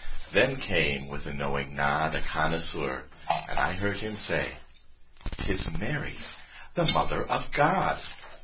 Then came, with a knowing nod, A connoisseur, and I heard him say; "'Tis Mary, the Mother of God."